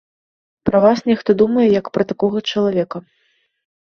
Пра вас нехта думае як пра такога чалавека.